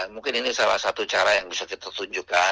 mungkin ini salah satu cara yang bisa kita tunjukkan